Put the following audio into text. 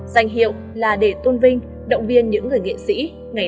danh hiệu là để tôn vinh động viên những người nghệ sĩ